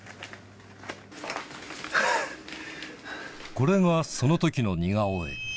これがその時の似顔絵